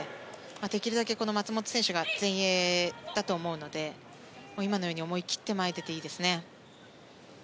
できるだけ、松本選手が前衛だと思うので今のように思い切って前に出ていいですね。